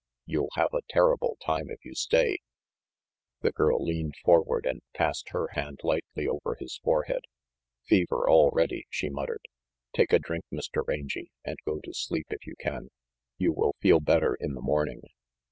You'll have a terrible time if you stay " The girl leaned forward and passed her hand lightly over his forehead. "Fever already," she muttered. "Take a drink, Mr. Rangy, and go to sleep if you can. You will feel better in the morning."